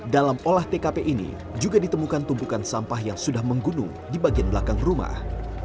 dalam olah tkp ini juga ditemukan tumpukan sampah yang sudah menggunung di bagian belakang rumah